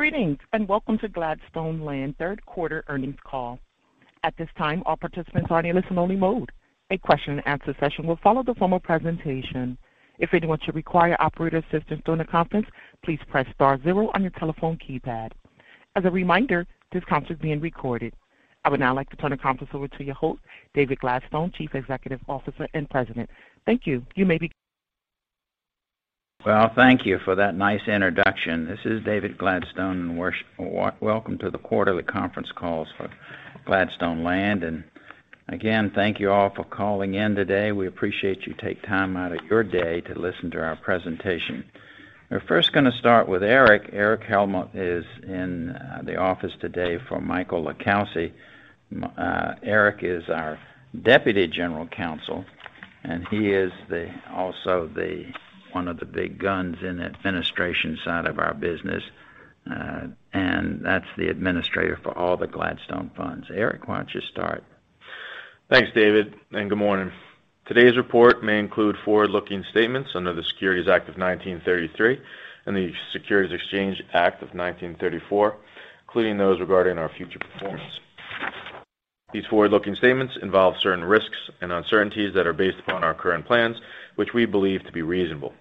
Greetings, and welcome to Gladstone Land third quarter earnings call. At this time, all participants are in a listen-only mode. A question-and-answer session will follow the formal presentation. If anyone should require operator assistance during the conference, please press star zero on your telephone keypad. As a reminder, this conference is being recorded. I would now like to turn the conference over to your host, David Gladstone, Chief Executive Officer and President. Thank you. You may begin. Well, thank you for that nice introduction. This is David Gladstone, and welcome to the quarterly conference calls for Gladstone Land. Again, thank you all for calling in today. We appreciate you take time out of your day to listen to our presentation. We're first gonna start with Erich. Erich Hellmold is in the office today for Michael LiCalsi. Erich is our Deputy General Counsel, and he is also the one of the big guns in the administration side of our business, and that's the administrator for all the Gladstone funds. Erich, why don't you start? Thanks, David, and good morning. Today's report may include forward-looking statements under the Securities Act of 1933 and the Securities Exchange Act of 1934, including those regarding our future performance. These forward-looking statements involve certain risks and uncertainties that are based upon our current plans, which we believe to be reasonable.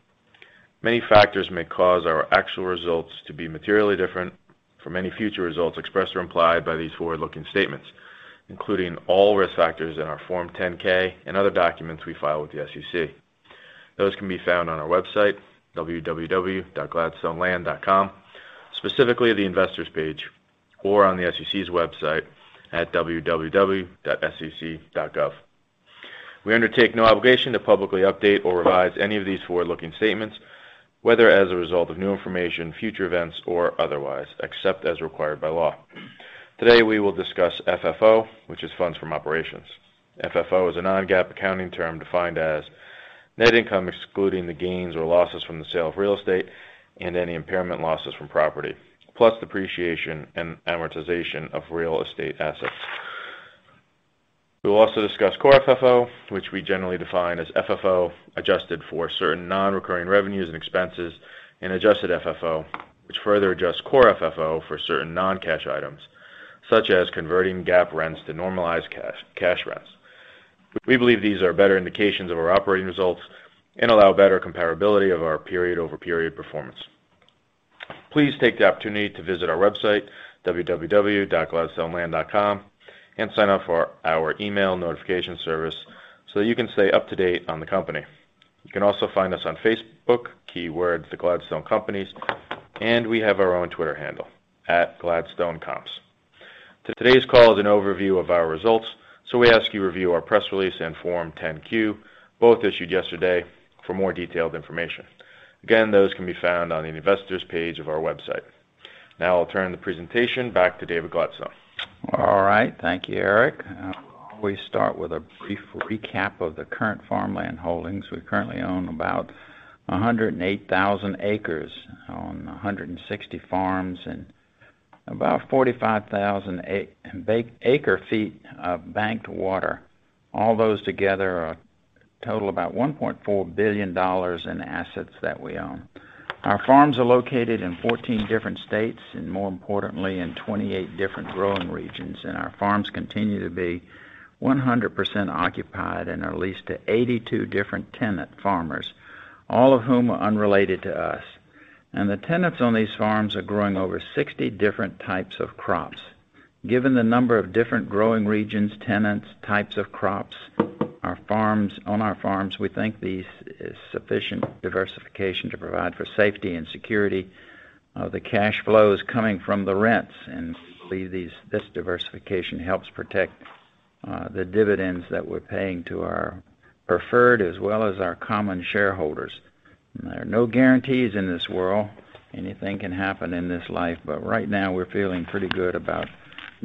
Many factors may cause our actual results to be materially different from any future results expressed or implied by these forward-looking statements, including all risk factors in our Form 10-K and other documents we file with the SEC. Those can be found on our website, www.gladstoneland.com, specifically the investors page, or on the SEC's website at www.sec.gov. We undertake no obligation to publicly update or revise any of these forward-looking statements, whether as a result of new information, future events, or otherwise, except as required by law. Today, we will discuss FFO, which is funds from operations. FFO is a non-GAAP accounting term defined as net income excluding the gains or losses from the sale of real estate and any impairment losses from property, plus depreciation and amortization of real estate assets. We will also discuss core FFO, which we generally define as FFO adjusted for certain non-recurring revenues and expenses, and adjusted FFO, which further adjusts core FFO for certain non-cash items, such as converting GAAP rents to normalized cash rents. We believe these are better indications of our operating results and allow better comparability of our period-over-period performance. Please take the opportunity to visit our website, www.gladstoneland.com, and sign up for our email notification service so that you can stay up to date on the company. You can also find us on Facebook, keyword, The Gladstone Companies, and we have our own Twitter handle, @GladstoneComps. Today's call is an overview of our results, so we ask you to review our press release and Form 10-Q, both issued yesterday, for more detailed information. Again, those can be found on the investors page of our website. Now I'll turn the presentation back to David Gladstone. All right. Thank you, Erich. I'll always start with a brief recap of the current farmland holdings. We currently own about 108,000 acres on 160 farms and about 45,000 acre-feet of banked water. All those together total about $1.4 billion in assets that we own. Our farms are located in 14 different states and, more importantly, in 28 different growing regions. Our farms continue to be 100% occupied and are leased to 82 different tenant farmers, all of whom are unrelated to us. The tenants on these farms are growing over 60 different types of crops. Given the number of different growing regions, tenants, types of crops, our farms, on our farms, we think this is sufficient diversification to provide for safety and security of the cash flows coming from the rents, and we believe this diversification helps protect the dividends that we're paying to our preferred as well as our common shareholders. There are no guarantees in this world. Anything can happen in this life. Right now, we're feeling pretty good about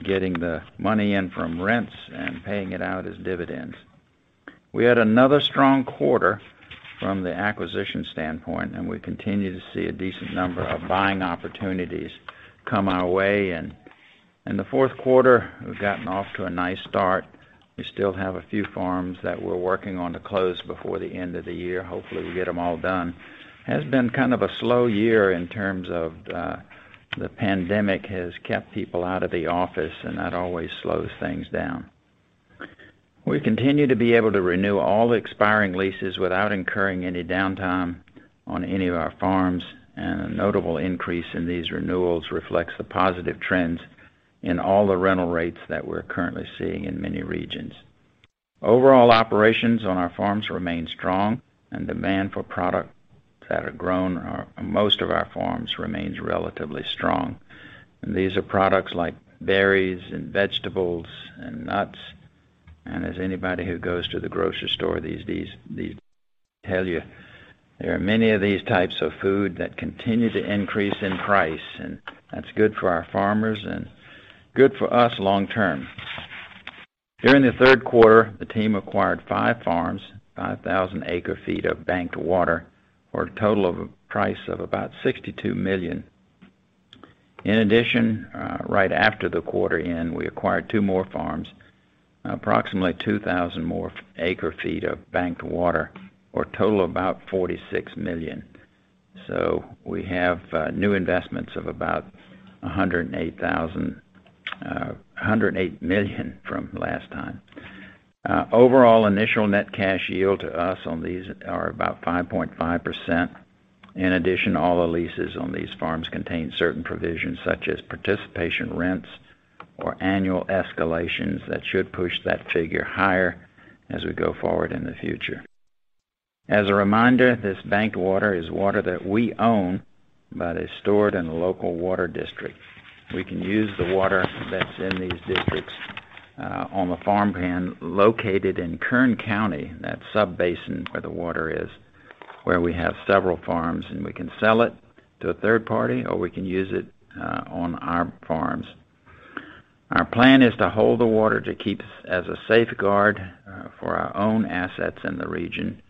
getting the money in from rents and paying it out as dividends. We had another strong quarter from the acquisition standpoint, and we continue to see a decent number of buying opportunities come our way, and the fourth quarter, we've gotten off to a nice start. We still have a few farms that we're working on to close before the end of the year. Hopefully, we get them all done. It has been kind of a slow year in terms of the pandemic has kept people out of the office, and that always slows things down. We continue to be able to renew all the expiring leases without incurring any downtime on any of our farms, and a notable increase in these renewals reflects the positive trends in all the rental rates that we're currently seeing in many regions. Overall operations on our farms remain strong, and demand for products that are grown on most of our farms remains relatively strong. These are products like berries and vegetables and nuts. As anybody who goes to the grocery store, these tell you there are many of these types of food that continue to increase in price, and that's good for our farmers and good for us long term. During the third quarter, the team acquired five farms, 5,000 acre feet of banked water for a total of a price of about $62 million. In addition, right after the quarter end, we acquired two more farms, approximately 2,000 more acre feet of banked water, or a total of about $46 million. We have new investments of about $108 million from last time. Overall, initial net cash yield to us on these are about 5.5%. In addition, all the leases on these farms contain certain provisions such as participation rents or annual escalations that should push that figure higher as we go forward in the future. As a reminder, this banked water is water that we own, but is stored in a local water district. We can use the water that's in these districts on the farmland located in Kern County, that sub-basin where the water is, where we have several farms, and we can sell it to a third party or we can use it on our farms. Our plan is to hold the water to keep as a safeguard for our own assets in the region.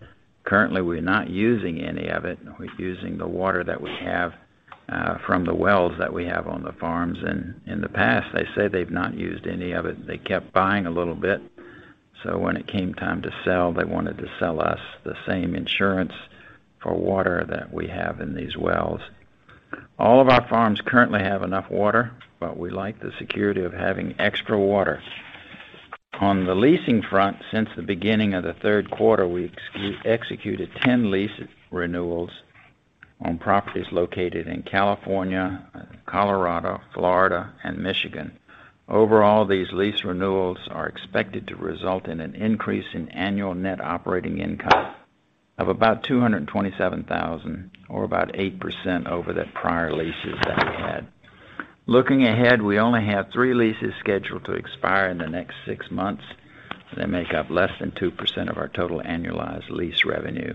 Currently, we're not using any of it. We're using the water that we have from the wells that we have on the farms. In the past, they say they've not used any of it. They kept buying a little bit, so when it came time to sell, they wanted to sell us the same insurance for water that we have in these wells. All of our farms currently have enough water, but we like the security of having extra water. On the leasing front, since the beginning of the third quarter, we executed 10 lease renewals on properties located in California, Colorado, Florida, and Michigan. Overall, these lease renewals are expected to result in an increase in annual net operating income of about $227,000 or about 8% over the prior leases that we had. Looking ahead, we only have three leases scheduled to expire in the next six months. They make up less than 2% of our total annualized lease revenue.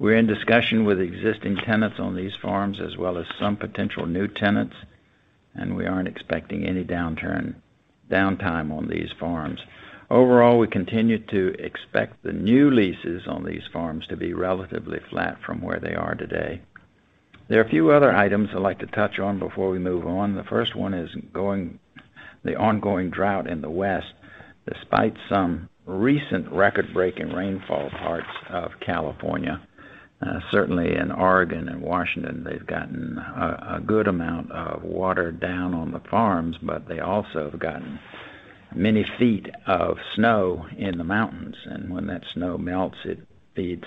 We're in discussion with existing tenants on these farms, as well as some potential new tenants, and we aren't expecting any downtime on these farms. Overall, we continue to expect the new leases on these farms to be relatively flat from where they are today. There are a few other items I'd like to touch on before we move on. The first one is the ongoing drought in the West. Despite some recent record-breaking rainfall, parts of California, certainly in Oregon and Washington, they've gotten a good amount of water down on the farms, but they also have gotten many feet of snow in the mountains. When that snow melts, it feeds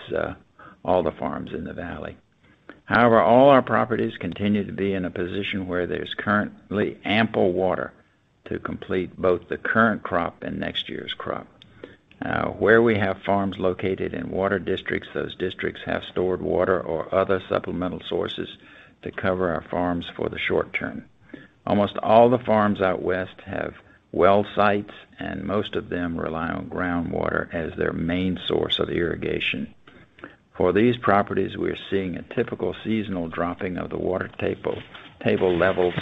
all the farms in the valley. However, all our properties continue to be in a position where there's currently ample water to complete both the current crop and next year's crop. Where we have farms located in water districts, those districts have stored water or other supplemental sources to cover our farms for the short term. Almost all the farms out west have well sites, and most of them rely on groundwater as their main source of irrigation. For these properties, we're seeing a typical seasonal dropping of the water table levels,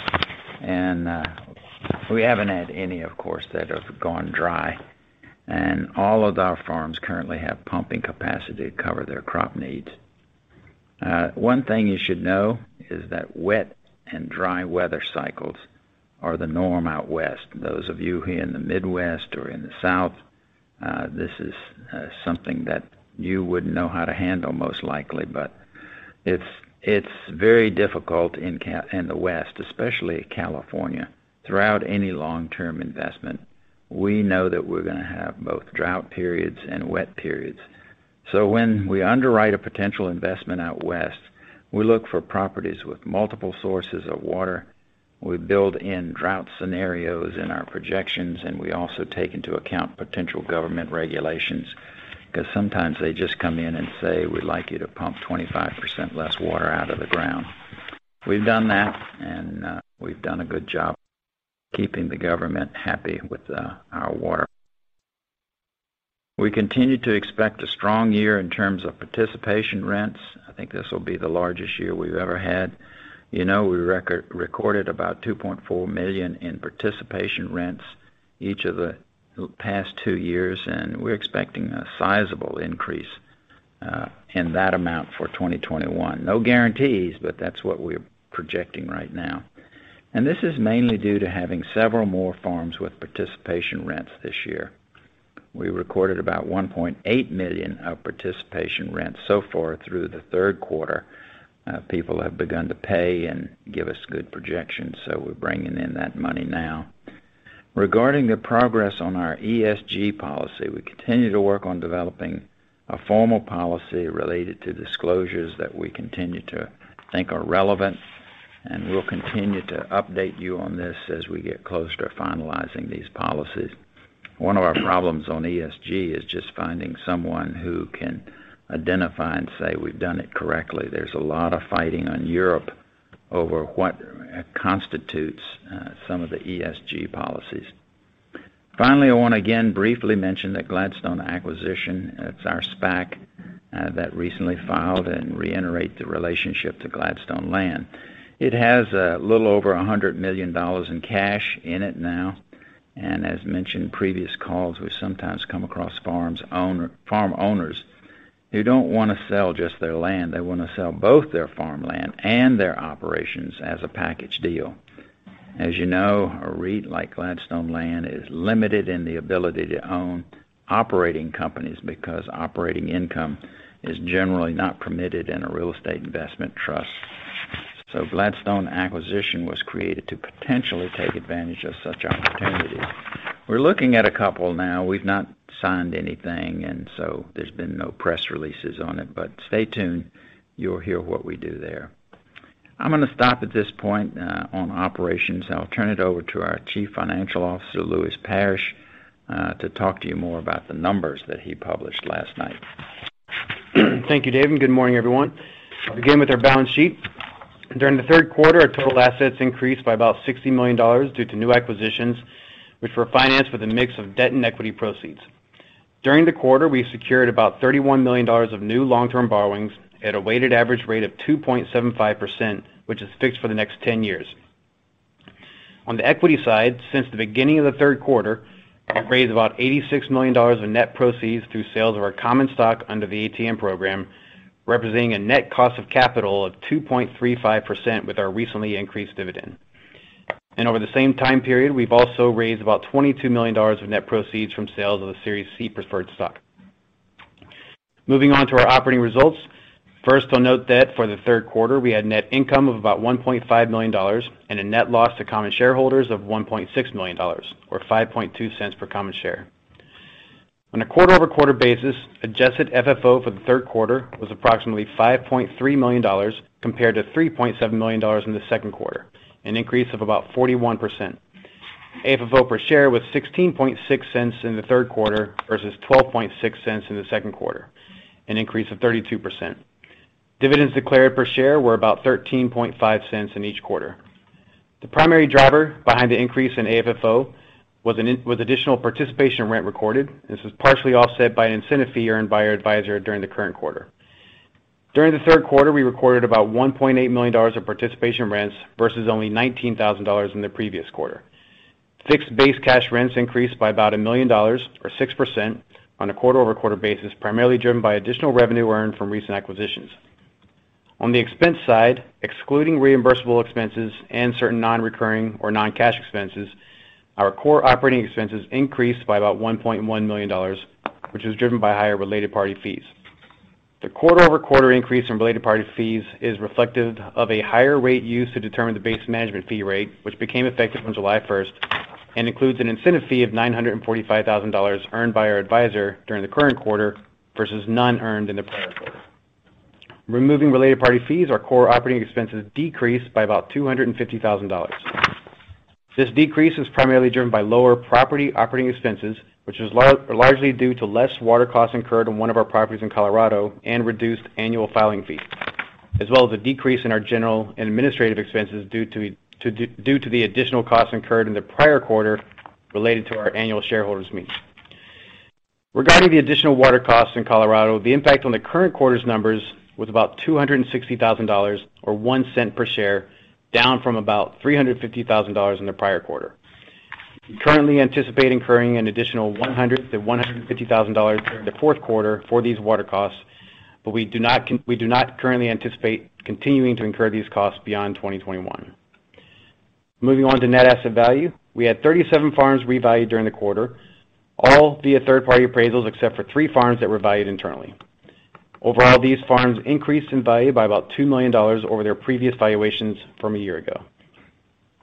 and we haven't had any, of course, that have gone dry. All of our farms currently have pumping capacity to cover their crop needs. One thing you should know is that wet and dry weather cycles are the norm out west. Those of you in the Midwest or in the South, this is something that you wouldn't know how to handle most likely. It's very difficult in the West, especially California. Throughout any long-term investment, we know that we're gonna have both drought periods and wet periods. When we underwrite a potential investment out west, we look for properties with multiple sources of water. We build in drought scenarios in our projections, and we also take into account potential government regulations, because sometimes they just come in and say, "We'd like you to pump 25% less water out of the ground." We've done that, and we've done a good job keeping the government happy with our water. We continue to expect a strong year in terms of participation rents. I think this will be the largest year we've ever had. You know, we recorded about $2.4 million in participation rents each of the past two years, and we're expecting a sizable increase in that amount for 2021. No guarantees, but that's what we're projecting right now. This is mainly due to having several more farms with participation rents this year. We recorded about $1.8 million of participation rents so far through the third quarter. People have begun to pay and give us good projections, so we're bringing in that money now. Regarding the progress on our ESG policy, we continue to work on developing a formal policy related to disclosures that we continue to think are relevant, and we'll continue to update you on this as we get closer to finalizing these policies. One of our problems on ESG is just finding someone who can identify and say we've done it correctly. There's a lot of fighting in Europe over what constitutes some of the ESG policies. Finally, I want to again briefly mention the Gladstone Acquisition. It's our SPAC that recently filed and reiterate the relationship to Gladstone Land. It has a little over $100 million in cash in it now. As mentioned in previous calls, we sometimes come across farm owners who don't wanna sell just their land. They wanna sell both their farmland and their operations as a package deal. As you know, a REIT like Gladstone Land is limited in the ability to own operating companies because operating income is generally not permitted in a real estate investment trust. Gladstone Acquisition was created to potentially take advantage of such opportunities. We're looking at a couple now. We've not signed anything, and so there's been no press releases on it, but stay tuned. You'll hear what we do there. I'm gonna stop at this point on operations, and I'll turn it over to our Chief Financial Officer, Lewis Parrish, to talk to you more about the numbers that he published last night. Thank you, Dave, and good morning, everyone. I'll begin with our balance sheet. During the third quarter, our total assets increased by about $60 million due to new acquisitions, which were financed with a mix of debt and equity proceeds. During the quarter, we secured about $31 million of new long-term borrowings at a weighted average rate of 2.75%, which is fixed for the next 10 years. On the equity side, since the beginning of the third quarter, we've raised about $86 million of net proceeds through sales of our common stock under the ATM program, representing a net cost of capital of 2.35% with our recently increased dividend. Over the same time period, we've also raised about $22 million of net proceeds from sales of the Series C preferred stock. Moving on to our operating results. First, I'll note that for the third quarter, we had net income of about $1.5 million and a net loss to common shareholders of $1.6 million, or $0.052 per common share. On a quarter-over-quarter basis, adjusted FFO for the third quarter was approximately $5.3 million compared to $3.7 million in the second quarter, an increase of about 41%. AFFO per share was $0.166 in the third quarter versus $0.126 in the second quarter, an increase of 32%. Dividends declared per share were about $0.135 in each quarter. The primary driver behind the increase in AFFO was additional participation rent recorded. This was partially offset by an incentive fee earned by our advisor during the current quarter. During the third quarter, we recorded about $1.8 million of participation rents versus only $19,000 in the previous quarter. Fixed base cash rents increased by about $1 million or 6% on a quarter-over-quarter basis, primarily driven by additional revenue earned from recent acquisitions. On the expense side, excluding reimbursable expenses and certain non-recurring or non-cash expenses, our core operating expenses increased by about $1.1 million, which was driven by higher related party fees. The quarter-over-quarter increase in related party fees is reflective of a higher rate used to determine the base management fee rate, which became effective on July 1st and includes an incentive fee of $945,000 earned by our advisor during the current quarter versus none earned in the prior quarter. Removing related party fees, our core operating expenses decreased by about $250,000. This decrease is primarily driven by lower property operating expenses, which is largely due to less water costs incurred on one of our properties in Colorado and reduced annual filing fees, as well as a decrease in our general and administrative expenses due to the additional costs incurred in the prior quarter related to our annual shareholders meeting. Regarding the additional water costs in Colorado, the impact on the current quarter's numbers was about $260,000 or $0.01 per share, down from about $350,000 in the prior quarter. We currently anticipate incurring an additional $100,000-$150,000 thousand during the fourth quarter for these water costs, but we do not currently anticipate continuing to incur these costs beyond 2021. Moving on to net asset value. We had 37 farms revalued during the quarter, all via third-party appraisals, except for three farms that were valued internally. Overall, these farms increased in value by about $2 million over their previous valuations from a year ago.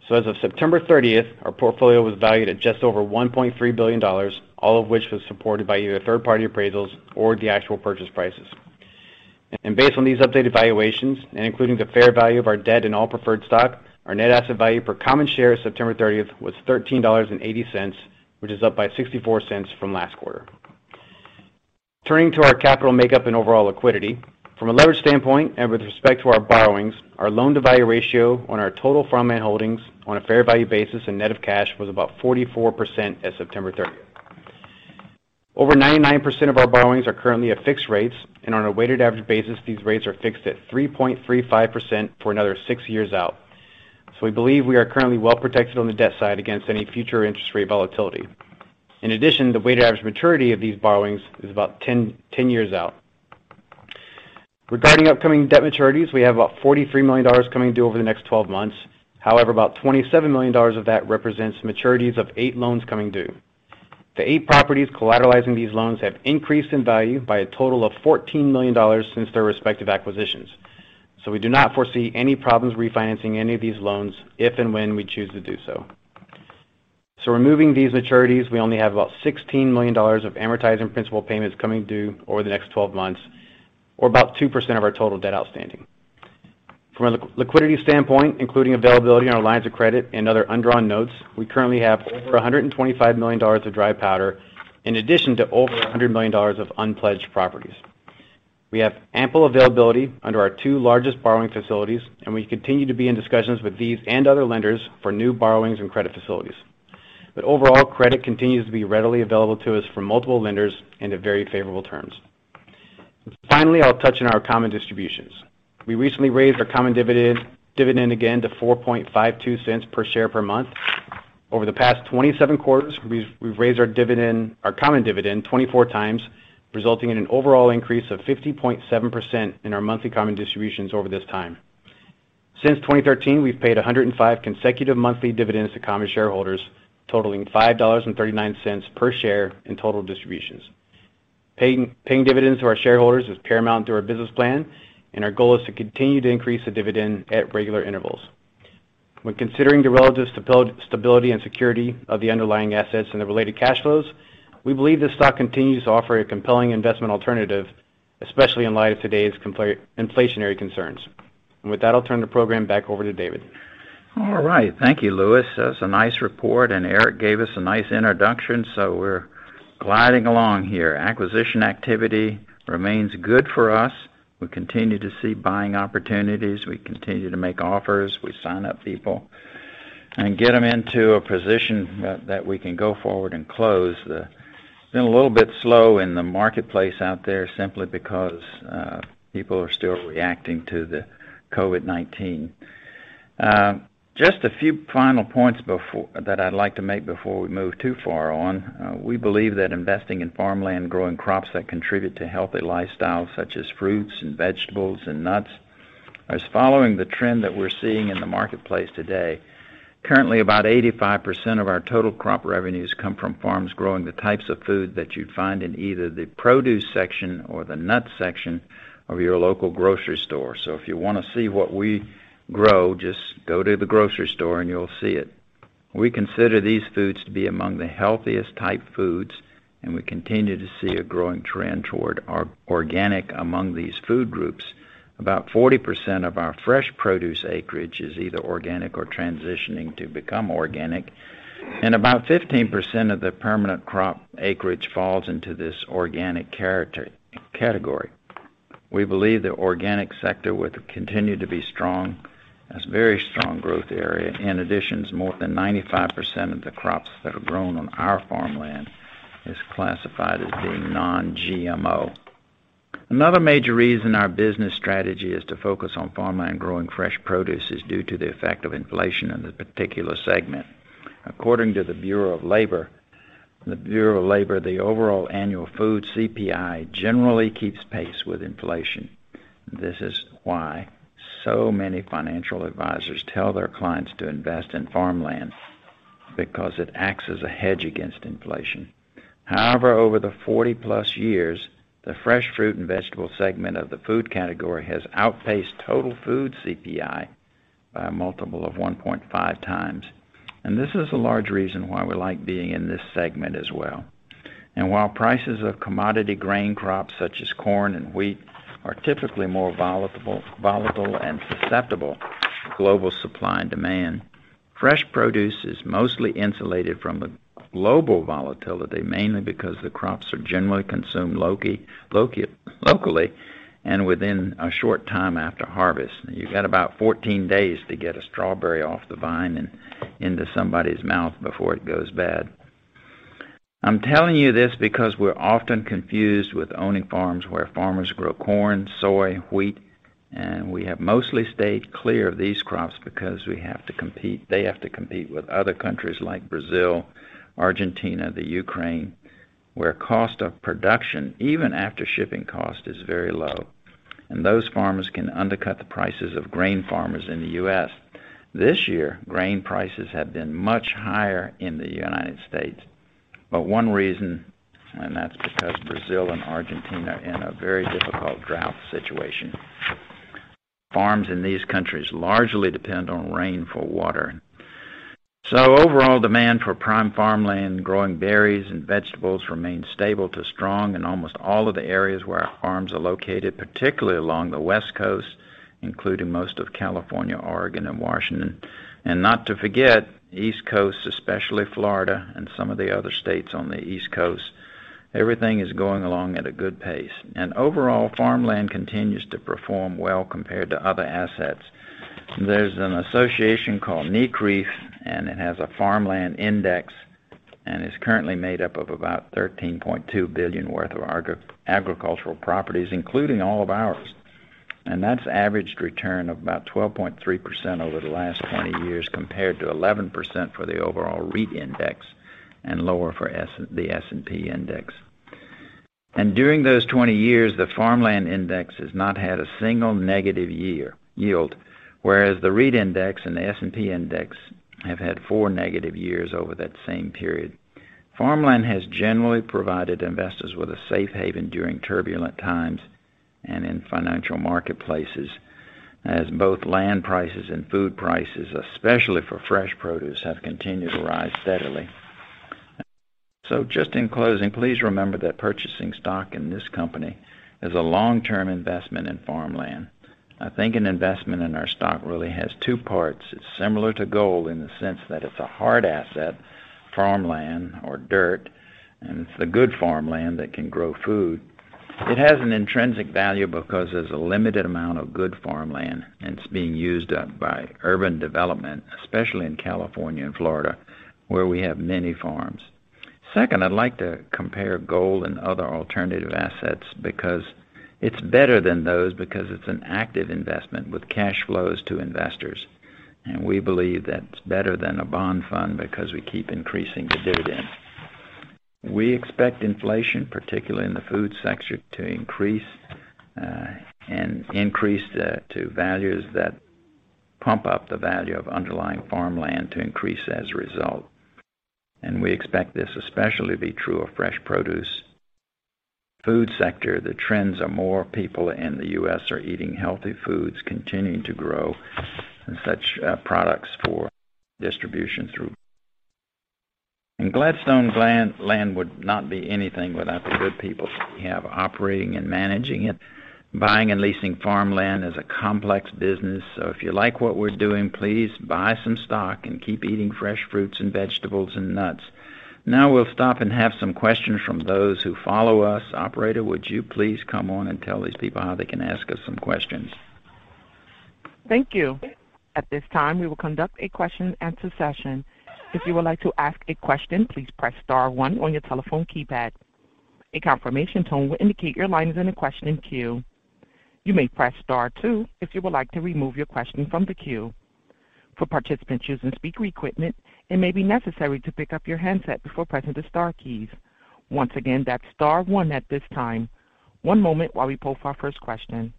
As of September 30th, our portfolio was valued at just over $1.3 billion, all of which was supported by either third-party appraisals or the actual purchase prices. Based on these updated valuations, and including the fair value of our debt and all preferred stock, our net asset value per common share as of September 30th was $13.80, which is up by $0.64 from last quarter. Turning to our capital makeup and overall liquidity. From a leverage standpoint and with respect to our borrowings, our loan-to-value ratio on our total farmland holdings on a fair value basis and net of cash was about 44% as of September 30. Over 99% of our borrowings are currently at fixed rates, and on a weighted average basis, these rates are fixed at 3.35% for another six years out. We believe we are currently well protected on the debt side against any future interest rate volatility. In addition, the weighted average maturity of these borrowings is about 10 years out. Regarding upcoming debt maturities, we have about $43 million coming due over the next 12 months. However, about $27 million of that represents maturities of eight loans coming due. The eight properties collateralizing these loans have increased in value by a total of $14 million since their respective acquisitions. We do not foresee any problems refinancing any of these loans if and when we choose to do so. Removing these maturities, we only have about $16 million of amortizing principal payments coming due over the next 12 months, or about 2% of our total debt outstanding. From a liquidity standpoint, including availability on our lines of credit and other undrawn notes, we currently have over $125 million of dry powder in addition to over $100 million of unpledged properties. We have ample availability under our two largest borrowing facilities, and we continue to be in discussions with these and other lenders for new borrowings and credit facilities. Overall, credit continues to be readily available to us from multiple lenders and at very favorable terms. Finally, I'll touch on our common distributions. We recently raised our common dividend again to 4.52 cents per share per month. Over the past 27 quarters, we've raised our dividend, our common dividend, 24x, resulting in an overall increase of 50.7% in our monthly common distributions over this time. Since 2013, we've paid 105 consecutive monthly dividends to common shareholders, totaling $5.39 per share in total distributions. Paying dividends to our shareholders is paramount to our business plan, and our goal is to continue to increase the dividend at regular intervals. When considering the relative stability and security of the underlying assets and the related cash flows, we believe this stock continues to offer a compelling investment alternative, especially in light of today's inflationary concerns. With that, I'll turn the program back over to David. All right. Thank you, Lewis. That was a nice report, and Erich gave us a nice introduction, so we're gliding along here. Acquisition activity remains good for us. We continue to see buying opportunities. We continue to make offers. We sign up people and get them into a position that we can go forward and close. It's been a little bit slow in the marketplace out there simply because people are still reacting to the COVID-19. Just a few final points that I'd like to make before we move too far on. We believe that investing in farmland, growing crops that contribute to healthy lifestyles such as fruits and vegetables and nuts, is following the trend that we're seeing in the marketplace today. Currently, about 85% of our total crop revenues come from farms growing the types of food that you'd find in either the produce section or the nut section of your local grocery store. If you wanna see what we grow, just go to the grocery store and you'll see it. We consider these foods to be among the healthiest type foods, and we continue to see a growing trend toward organic among these food groups. About 40% of our fresh produce acreage is either organic or transitioning to become organic, and about 15% of the permanent crop acreage falls into this organic category. We believe the organic sector will continue to be strong, as a very strong growth area. In addition, more than 95% of the crops that are grown on our farmland is classified as being non-GMO. Another major reason our business strategy is to focus on farmland growing fresh produce is due to the effect of inflation in this particular segment. According to the Bureau of Labor, the overall annual food CPI generally keeps pace with inflation. This is why so many financial advisors tell their clients to invest in farmland, because it acts as a hedge against inflation. However, over the 40+ years, the fresh fruit and vegetable segment of the food category has outpaced total food CPI by a multiple of 1.5x. This is a large reason why we like being in this segment as well. While prices of commodity grain crops such as corn and wheat are typically more volatile, and susceptible to global supply and demand, fresh produce is mostly insulated from the global volatility, mainly because the crops are generally consumed locally and within a short time after harvest. You've got about 14 days to get a strawberry off the vine and into somebody's mouth before it goes bad. I'm telling you this because we're often confused with owning farms where farmers grow corn, soy, wheat, and we have mostly stayed clear of these crops because we have to compete, they have to compete with other countries like Brazil, Argentina, Ukraine, where cost of production, even after shipping cost, is very low. Those farmers can undercut the prices of grain farmers in the U.S. This year, grain prices have been much higher in the United States. One reason, and that's because Brazil and Argentina are in a very difficult drought situation. Farms in these countries largely depend on rain for water. Overall demand for prime farmland growing berries and vegetables remains stable to strong in almost all of the areas where our farms are located, particularly along the West Coast, including most of California, Oregon, and Washington. Not to forget, East Coast, especially Florida and some of the other states on the East Coast. Everything is going along at a good pace. Overall, farmland continues to perform well compared to other assets. There's an association called NCREIF, and it has a farmland index, and it's currently made up of about $13.2 billion worth of agricultural properties, including all of ours. That's averaged return of about 12.3% over the last 20 years compared to 11% for the overall REIT index and lower for the S&P index. During those 20 years, the farmland index has not had a single negative year yield, whereas the REIT index and the S&P index have had four negative years over that same period. Farmland has generally provided investors with a safe haven during turbulent times and in financial marketplaces, as both land prices and food prices, especially for fresh produce, have continued to rise steadily. Just in closing, please remember that purchasing stock in this company is a long-term investment in farmland. I think an investment in our stock really has two parts. It's similar to gold in the sense that it's a hard asset, farmland or dirt, and it's the good farmland that can grow food. It has an intrinsic value because there's a limited amount of good farmland, and it's being used up by urban development, especially in California and Florida, where we have many farms. Second, I'd like to compare gold and other alternative assets because it's better than those because it's an active investment with cash flows to investors. We believe that's better than a bond fund because we keep increasing the dividend. We expect inflation, particularly in the food sector, to increase and increase the values that pump up the value of underlying farmland to increase as a result. We expect this especially to be true of fresh produce. Food sector, the trends are more people in the U.S. are eating healthy foods continuing to grow and such products for distribution through. Gladstone Land would not be anything without the good people we have operating and managing it. Buying and leasing farmland is a complex business, so if you like what we're doing, please buy some stock, and keep eating fresh fruits and vegetables and nuts. Now we'll stop and have some questions from those who follow us. Operator, would you please come on and tell these people how they can ask us some questions? Thank you. At this time, we will conduct a question-and-answer session. If you would like to ask a question, please press star one on your telephone keypad. A confirmation tone will indicate your line is in queue. You may press star two if you would like to remove your question from the queue. For participants using speaker equipment, it may be necessary to pick up your handset before pressing the star keys. Once again, that's star one at this time. One moment while we poll for our first question.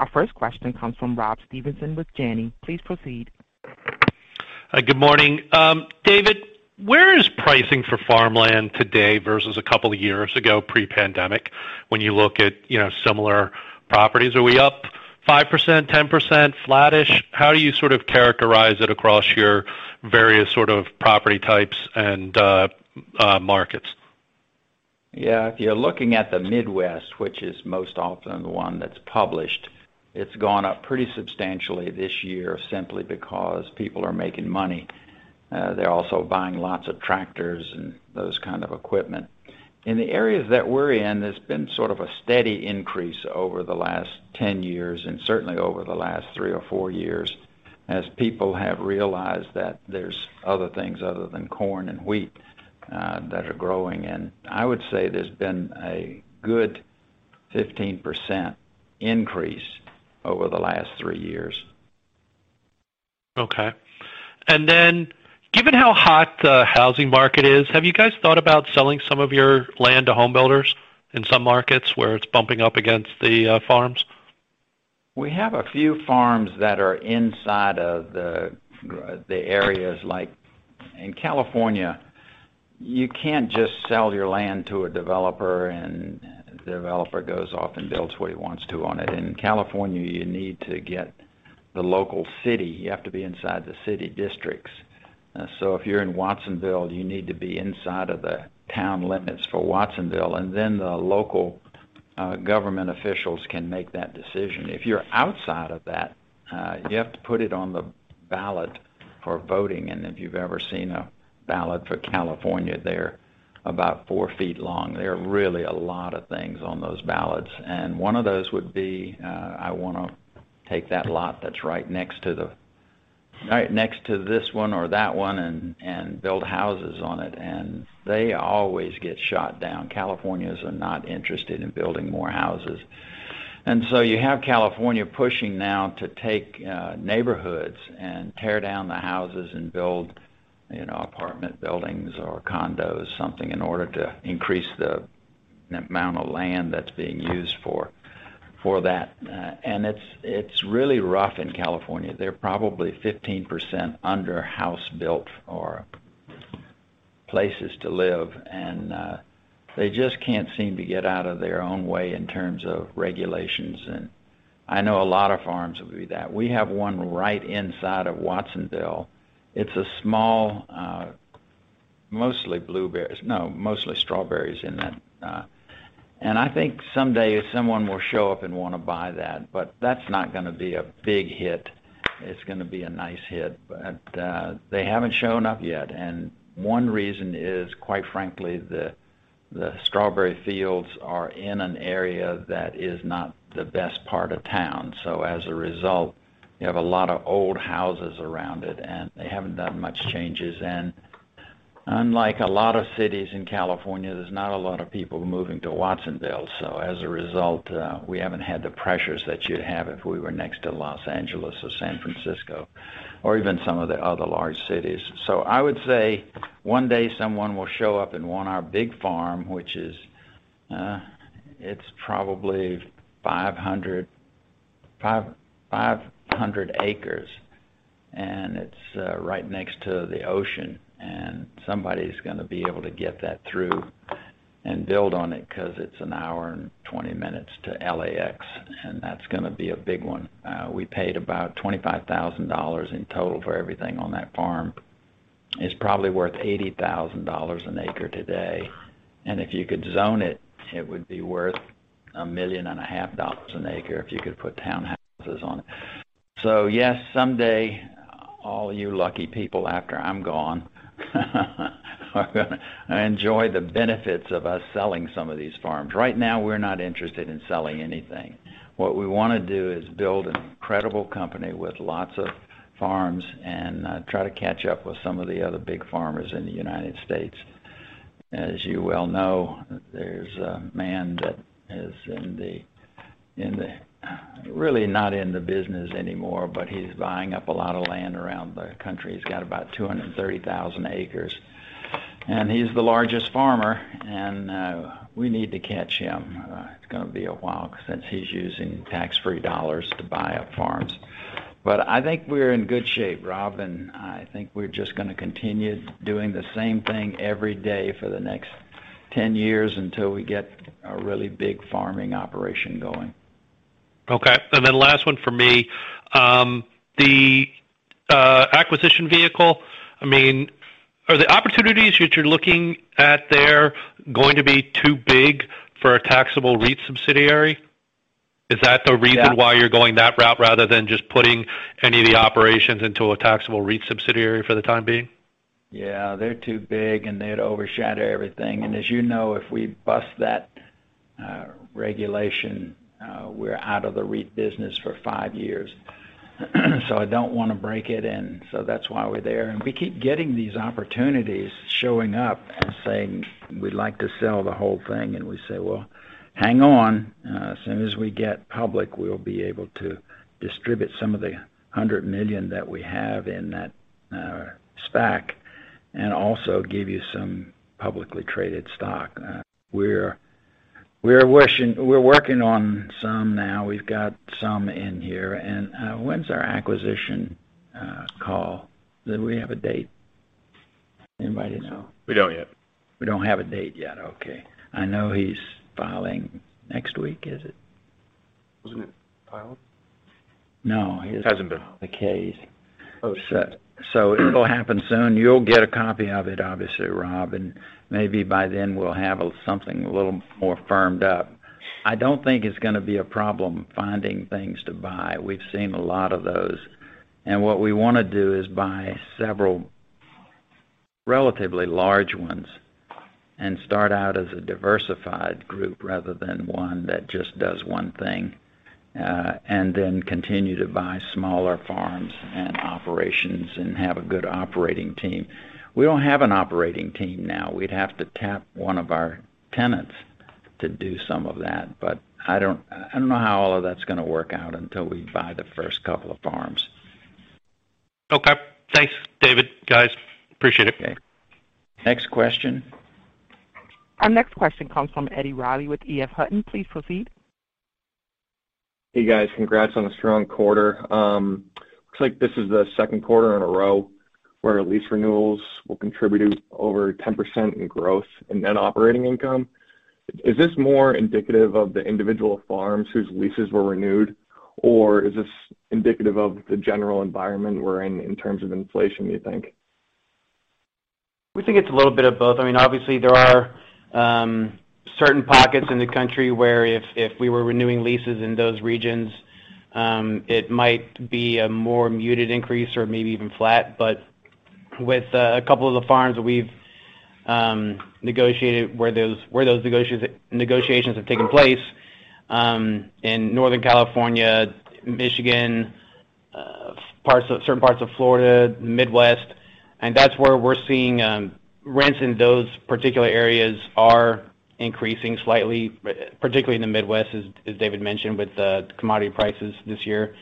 Our first question comes from Rob Stevenson with Janney. Please proceed. Good morning. David, where is pricing for farmland today versus a couple of years ago pre-pandemic when you look at, you know, similar properties? Are we up 5%, 10%, flattish? How do you sort of characterize it across your various sort of property types and markets? Yeah. If you're looking at the Midwest, which is most often the one that's published, it's gone up pretty substantially this year simply because people are making money. They're also buying lots of tractors and those kind of equipment. In the areas that we're in, there's been sort of a steady increase over the last 10 years and certainly over the last three or four years as people have realized that there's other things other than corn and wheat, that are growing. I would say there's been a good 15% increase over the last three years. Okay. Given how hot the housing market is, have you guys thought about selling some of your land to home builders in some markets where it's bumping up against the farms? We have a few farms that are inside of the areas. In California, you can't just sell your land to a developer and the developer goes off and builds what he wants to on it. In California, you need to get the local city, you have to be inside the city districts. So if you're in Watsonville, you need to be inside of the town limits for Watsonville, and then the local government officials can make that decision. If you're outside of that, you have to put it on the ballot for voting. If you've ever seen a ballot for California, they're about four feet long. There are really a lot of things on those ballots. One of those would be, I wanna take that lot that's right next to this one or that one and build houses on it. They always get shot down. Californians are not interested in building more houses. You have California pushing now to take neighborhoods and tear down the houses and build, you know, apartment buildings or condos, something in order to increase the amount of land that's being used for that. It's really rough in California. They're probably 15% under-housed or places to live. They just can't seem to get out of their own way in terms of regulations. I know a lot of farms will be that. We have one right inside of Watsonville. It's a small, mostly strawberries in that. I think someday someone will show up and wanna buy that, but that's not gonna be a big hit. It's gonna be a nice hit. They haven't shown up yet. One reason is, quite frankly, the strawberry fields are in an area that is not the best part of town. As a result, you have a lot of old houses around it, and they haven't done much changes. Unlike a lot of cities in California, there's not a lot of people moving to Watsonville. As a result, we haven't had the pressures that you'd have if we were next to Los Angeles or San Francisco or even some of the other large cities. I would say one day someone will show up and want our big farm, which is, it's probably 500 acres, and it's right next to the ocean. Somebody's gonna be able to get that through and build on it 'cause it's an hour and 20 minutes to LAX, and that's gonna be a big one. We paid about $25,000 in total for everything on that farm. It's probably worth $80,000 an acre today. If you could zone it would be worth $1.5 million an acre if you could put townhouses on it. Yes, someday, all you lucky people after I'm gone are gonna enjoy the benefits of us selling some of these farms. Right now, we're not interested in selling anything. What we wanna do is build an incredible company with lots of farms and try to catch up with some of the other big farmers in the United States. As you well know, there's a man that is really not in the business anymore, but he's buying up a lot of land around the country. He's got about 230,000 acres, and he's the largest farmer, and we need to catch him. It's gonna be a while because since he's using tax-free dollars to buy up farms. But I think we're in good shape, Rob, and I think we're just gonna continue doing the same thing every day for the next 10 years until we get a really big farming operation going. Okay. Last one from me. The acquisition vehicle, I mean, are the opportunities that you're looking at there going to be too big for a taxable REIT subsidiary? Is that the reason? Yeah. Why you're going that route rather than just putting any of the operations into a taxable REIT subsidiary for the time being? Yeah. They're too big, and they'd overshadow everything. As you know, if we bust that regulation, we're out of the REIT business for five years. I don't wanna break it, and so that's why we're there. We keep getting these opportunities showing up and saying, "We'd like to sell the whole thing." We say, "Well, hang on. As soon as we get public, we'll be able to distribute some of the $100 million that we have in that SPAC and also give you some publicly traded stock." We're working on some now. We've got some in here. When's our acquisition call? Do we have a date? Anybody know? We don't yet. We don't have a date yet. Okay. I know he's filing next week, is it? Wasn't it filed? No. It hasn't been. The case. Oh, shit. It'll happen soon. You'll get a copy of it, obviously, Rob, and maybe by then we'll have something a little more firmed up. I don't think it's gonna be a problem finding things to buy. We've seen a lot of those. What we wanna do is buy several relatively large ones and start out as a diversified group rather than one that just does one thing, and then continue to buy smaller farms and operations and have a good operating team. We don't have an operating team now. We'd have to tap one of our tenants to do some of that. I don't know how all of that's gonna work out until we buy the first couple of farms. Okay. Thanks, David, guys. Appreciate it. Okay. Next question. Our next question comes from Eddie Reilly with E.F. Hutton. Please proceed. Hey, guys. Congrats on the strong quarter. Looks like this is the second quarter in a row where lease renewals will contribute over 10% in growth in net operating income. Is this more indicative of the individual farms whose leases were renewed, or is this indicative of the general environment we're in terms of inflation, do you think? We think it's a little bit of both. I mean, obviously, there are certain pockets in the country where if we were renewing leases in those regions, it might be a more muted increase or maybe even flat. With a couple of the farms that we've negotiated where those negotiations have taken place in Northern California, Michigan, certain parts of Florida, Midwest, and that's where we're seeing rents in those particular areas are increasing slightly, particularly in the Midwest, as David mentioned, with the commodity prices this year.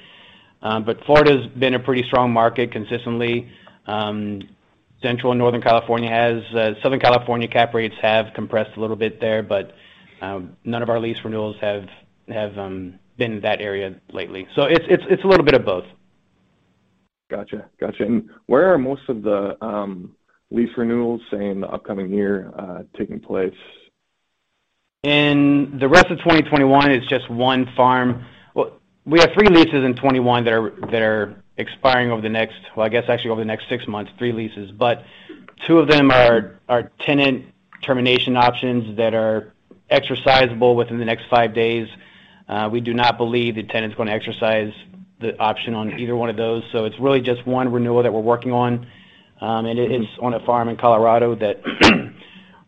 Florida's been a pretty strong market consistently. Central and Northern California has. Southern California cap rates have compressed a little bit there, but none of our lease renewals have been in that area lately. It's a little bit of both. Gotcha. Where are most of the lease renewals, say, in the upcoming year, taking place? In the rest of 2021, it's just one farm. Well, we have three leases in 2021 that are expiring over the next six months, three leases. Two of them are tenant termination options that are exercisable within the next five days. We do not believe the tenant's gonna exercise the option on either one of those. It's really just one renewal that we're working on, and it is on a farm in Colorado that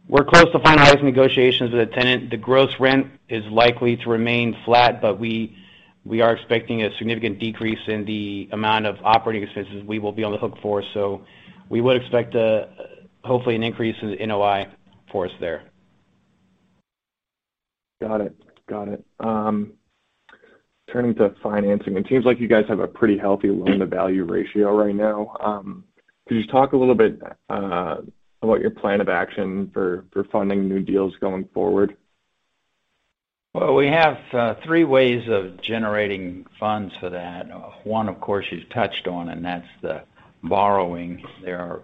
we're close to finalizing negotiations with a tenant. The gross rent is likely to remain flat, but we are expecting a significant decrease in the amount of operating expenses we will be on the hook for. We would expect, hopefully, an increase in NOI for us there. Got it. Turning to financing, it seems like you guys have a pretty healthy loan-to-value ratio right now. Could you just talk a little bit about your plan of action for funding new deals going forward? Well, we have three ways of generating funds for that. One, of course, you've touched on, and that's the borrowing. There are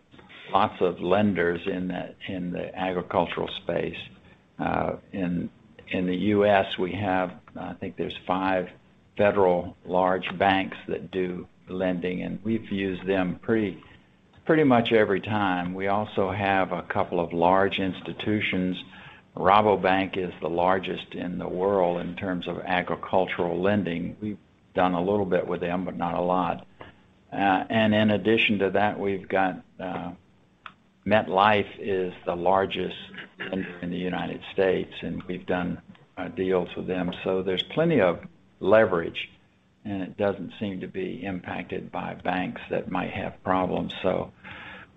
lots of lenders in the agricultural space. In the U.S., we have, I think there's five federal large banks that do lending, and we've used them pretty much every time. We also have a couple of large institutions. Rabobank is the largest in the world in terms of agricultural lending. We've done a little bit with them, but not a lot. In addition to that, we've got MetLife is the largest lender in the United States, and we've done deals with them. There's plenty of leverage. It doesn't seem to be impacted by banks that might have problems.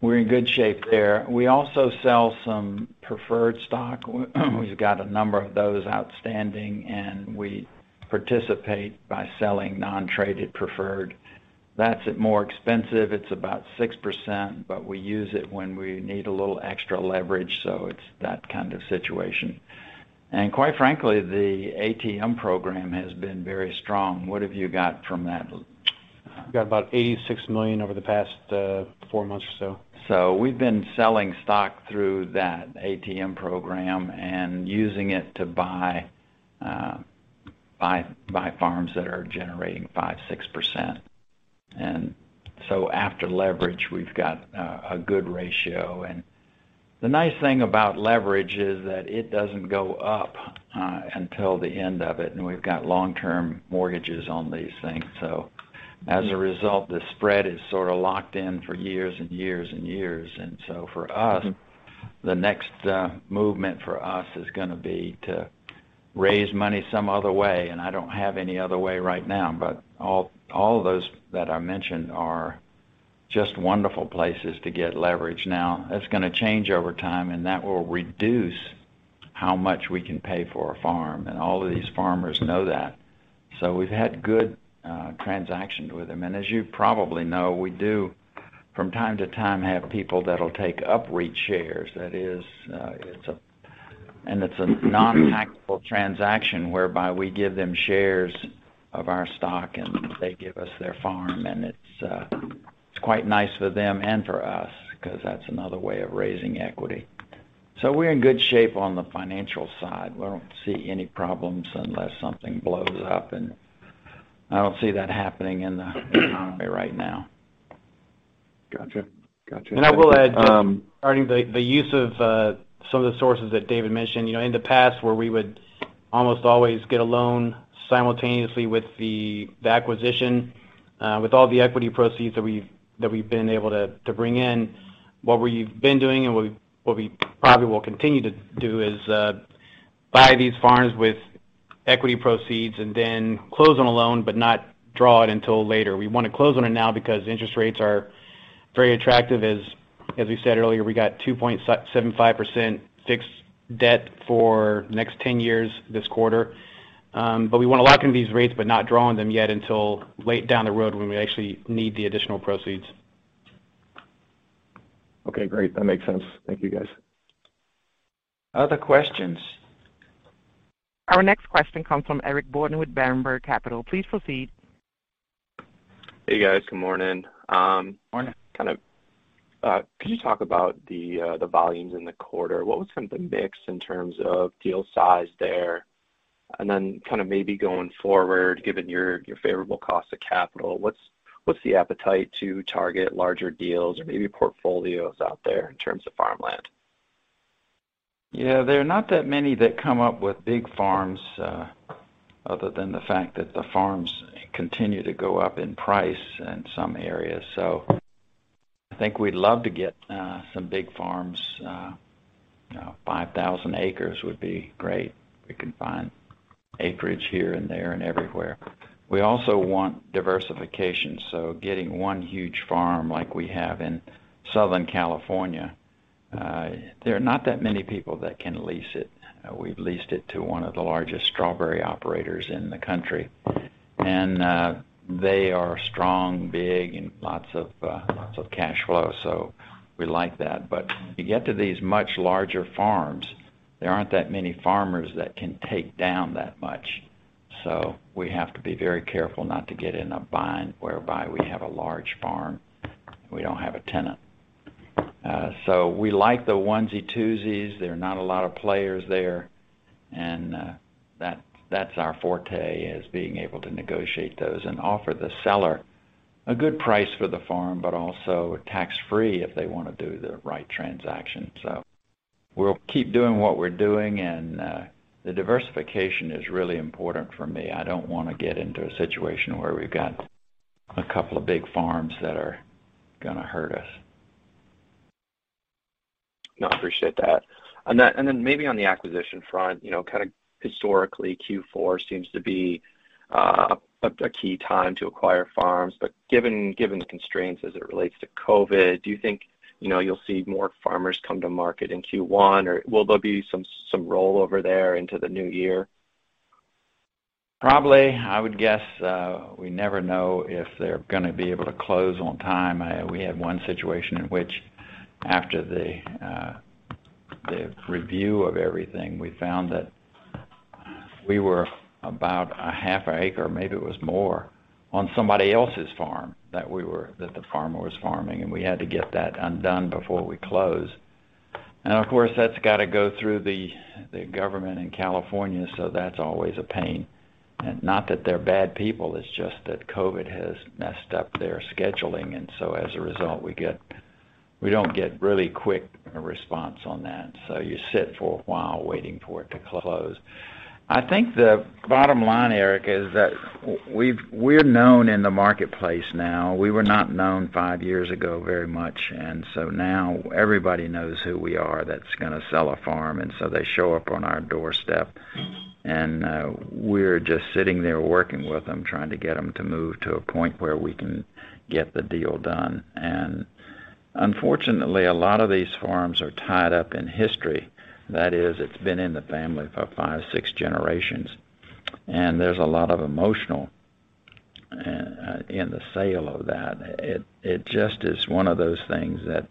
We're in good shape there. We also sell some preferred stock. We've got a number of those outstanding, and we participate by selling non-traded preferred. That's more expensive. It's about 6%, but we use it when we need a little extra leverage, so it's that kind of situation. Quite frankly, the ATM program has been very strong. What have you got from that? We've got about $86 million over the past four months or so. We've been selling stock through that ATM program and using it to buy farms that are generating 5%-6%. After leverage, we've got a good ratio. The nice thing about leverage is that it doesn't go up until the end of it, and we've got long-term mortgages on these things. As a result, the spread is sort of locked in for years and years and years. For us, the next movement for us is gonna be to raise money some other way. I don't have any other way right now, but all of those that I mentioned are just wonderful places to get leverage. Now, that's gonna change over time, and that will reduce how much we can pay for a farm. All of these farmers know that. We've had good transactions with them. As you probably know, we do, from time to time, have people that'll take UPREIT shares. That is, it's a non-taxable transaction whereby we give them shares of our stock, and they give us their farm. It's quite nice for them and for us because that's another way of raising equity. We're in good shape on the financial side. We don't see any problems unless something blows up, and I don't see that happening in the economy right now. Gotcha. I will add, just regarding the use of some of the sources that David mentioned. You know, in the past where we would almost always get a loan simultaneously with the acquisition with all the equity proceeds that we've been able to bring in, what we've been doing and what we probably will continue to do is buy these farms with equity proceeds and then close on a loan but not draw it until later. We wanna close on it now because interest rates are very attractive. As we said earlier, we got 2.75% fixed debt for next 10 years this quarter. But we wanna lock in these rates but not draw on them yet until late down the road when we actually need the additional proceeds. Okay, great. That makes sense. Thank you, guys. Other questions? Our next question comes from Eric Borden with Berenberg Capital Markets. Please proceed. Hey, guys. Good morning. Morning. Kind of, could you talk about the volumes in the quarter? What was kind of the mix in terms of deal size there? Then kind of maybe going forward, given your favorable cost of capital, what's the appetite to target larger deals or maybe portfolios out there in terms of farmland? Yeah, there are not that many that come up with big farms, other than the fact that the farms continue to go up in price in some areas. I think we'd love to get some big farms. You know, 5,000 acres would be great. We can find acreage here and there and everywhere. We also want diversification, so getting one huge farm like we have in Southern California, there are not that many people that can lease it. We've leased it to one of the largest strawberry operators in the country, and they are strong, big, and lots of lots of cash flow. We like that. You get to these much larger farms, there aren't that many farmers that can take down that much. We have to be very careful not to get in a bind whereby we have a large farm, and we don't have a tenant. We like the onesie-twosies. There are not a lot of players there, and that's our forte, is being able to negotiate those and offer the seller a good price for the farm, but also tax-free if they wanna do the right transaction. We'll keep doing what we're doing, and the diversification is really important for me. I don't wanna get into a situation where we've got a couple of big farms that are gonna hurt us. No, I appreciate that. Maybe on the acquisition front, you know, kind of historically, Q4 seems to be a key time to acquire farms. Given the constraints as it relates to COVID, do you think, you know, you'll see more farmers come to market in Q1? Will there be some rollover there into the new year? Probably. I would guess, we never know if they're gonna be able to close on time. We had one situation in which after the review of everything, we found that we were about a half an acre, maybe it was more, on somebody else's farm that the farmer was farming, and we had to get that undone before we close. Of course, that's got to go through the government in California, so that's always a pain. Not that they're bad people, it's just that COVID has messed up their scheduling. As a result, we don't get really quick response on that. You sit for a while waiting for it to close. I think the bottom line, Eric, is that we're known in the marketplace now. We were not known five years ago very much. Now everybody knows who we are that's gonna sell a farm, and so they show up on our doorstep. We're just sitting there working with them, trying to get them to move to a point where we can get the deal done. Unfortunately, a lot of these farms are tied up in history. That is, it's been in the family for five, six generations, and there's a lot of emotional and in the sale of that. It just is one of those things that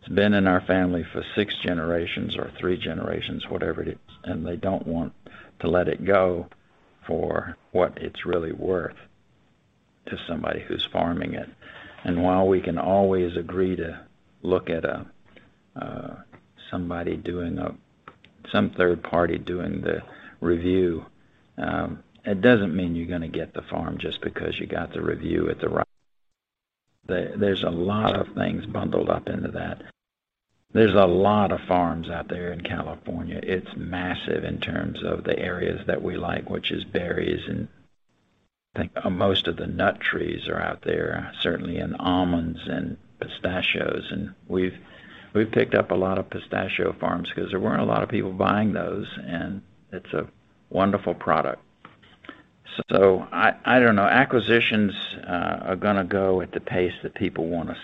it's been in our family for six generations or three generations, whatever it is, and they don't want to let it go for what it's really worth to somebody who's farming it. While we can always agree to look at somebody doing a third party doing the review, it doesn't mean you're gonna get the farm just because you got the review at the right. There's a lot of things bundled up into that. There's a lot of farms out there in California. It's massive in terms of the areas that we like, which is berries, and I think most of the nut trees are out there, certainly in almonds and pistachios. We've picked up a lot of pistachio farms because there weren't a lot of people buying those, and it's a wonderful product. I don't know. Acquisitions are gonna go at the pace that people wanna